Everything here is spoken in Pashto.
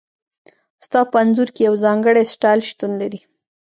ستا په انځور کې یو ځانګړی سټایل شتون لري